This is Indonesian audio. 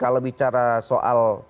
kalau bicara soal